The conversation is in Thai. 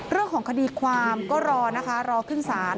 เรื่องของคดีความก็รอนะคะรอขึ้นศาล